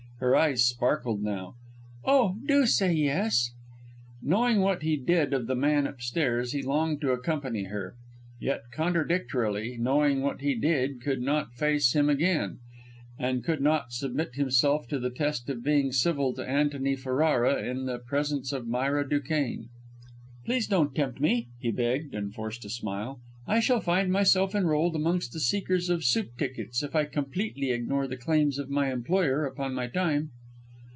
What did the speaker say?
Her eyes sparkled now. "Oh, do say yes!" Knowing what he did know of the man upstairs, he longed to accompany her; yet, contradictorily, knowing what he did he could not face him again, could not submit himself to the test of being civil to Antony Ferrara in the presence of Myra Duquesne. "Please don't tempt me," he begged, and forced a smile. "I shall find myself enrolled amongst the seekers of soup tickets if I completely ignore the claims of my employer upon my time!"